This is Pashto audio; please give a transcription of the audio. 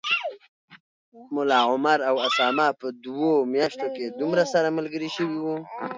ملا عمر او اسامه په دوو میاشتو کي دومره سره ملګري شوي و